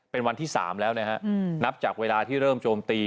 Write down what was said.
เป็นวันที่๓แล้วนะฮะนับจากเวลาที่เริ่มโจมตี